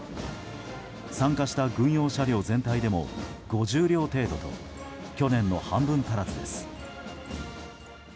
参加した軍用車両全体でも５０両程度と去年の半分足らずです。